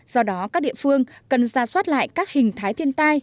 do đó các địa phương cần ra soát lại các hình thái thiên tai